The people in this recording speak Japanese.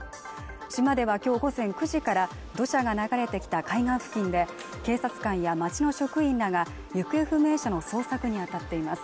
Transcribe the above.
島ではきょう午前９時から土砂が流れてきた海岸付近で警察官や町の職員らが行方不明者の捜索に当たっています